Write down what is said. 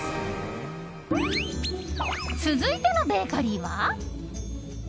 続いてのベーカリーは。